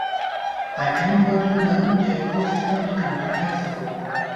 اقلیم بدلون هم د ایکوسیستم د کمزورتیا سبب و.